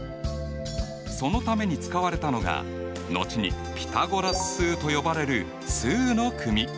そのために使われたのが後にピタゴラス数と呼ばれる数の組。